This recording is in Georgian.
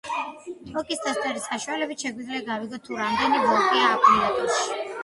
ტოკის ტესტერის საშუალებით, შეგვიძლია გავიგოთ, თუ რამდენი ვოლტია აკუმლატორში.